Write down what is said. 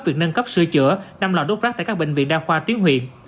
việc nâng cấp sửa chữa năm lò đốt rác tại các bệnh viện đa khoa tuyến huyện